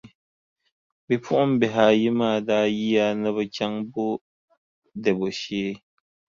Bipuɣimbihi ayi maa daa yiya ni bɛ chaŋ m-bo Debo shee.